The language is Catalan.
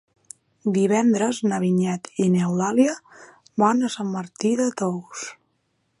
Divendres na Vinyet i n'Eulàlia van a Sant Martí de Tous.